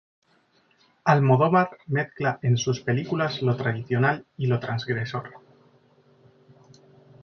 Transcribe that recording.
Almodóvar mezcla en sus películas lo tradicional y lo transgresor.